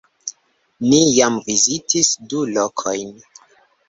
Ni jam vizitis du lokojn